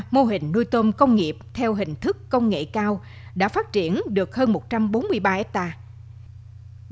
mô hình nuôi tôm công nghiệp theo hình thức công nghệ cao đã phát triển được hơn một trăm bốn mươi ba hectare